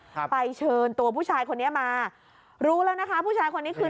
ครับไปเชิญตัวผู้ชายคนนี้มารู้แล้วนะคะผู้ชายคนนี้คือ